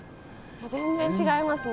全然違いますね。